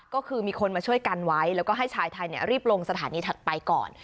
ก็คือมีคนมาช่วยกันไว้แล้วก็ให้ชายไทยรีบลงสถานีถัดไปก่อน